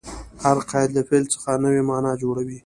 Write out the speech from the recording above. هر قید له فعل څخه نوې مانا جوړوي.